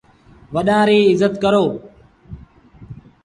وڏآن ريٚ ازت ڪرو۔